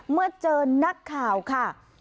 เมื่อเจอนักข่าวค่ะ